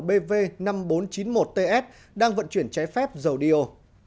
bv năm nghìn bốn trăm chín mươi một ts đang vận chuyển cháy phép dầu điều